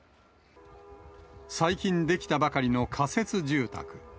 最近出来たばかりの仮設住宅。